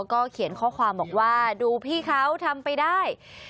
ก็เขียนข้อความบอกว่าดูพี่เขาทำไปได้